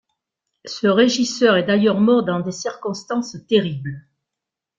Ce régisseur est d'ailleurs mort dans des circonstances terribles.